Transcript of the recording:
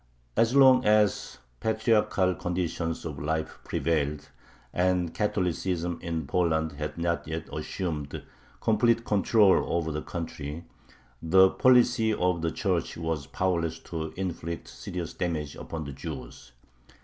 As long as patriarchal conditions of life prevailed, and Catholicism in Poland had not yet assumed complete control over the country, the policy of the Church was powerless to inflict serious damage upon the Jews.